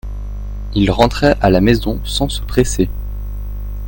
il rentrait à la maison sans se presser.